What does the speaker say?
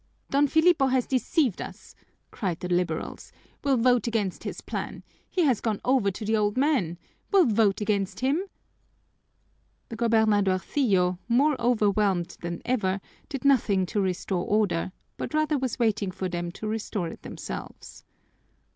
"Don Filipo has deceived us," cried the liberals. "We'll vote against his plan. He has gone over to the old men. We'll vote against him!" The gobernadorcillo, more overwhelmed than ever, did nothing to restore order, but rather was waiting for them to restore it themselves.